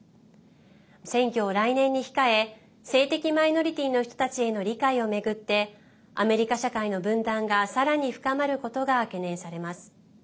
選挙を来年に控え性的マイノリティーの人たちへの理解を巡ってアメリカ社会の分断がさらに深まることが懸念されます。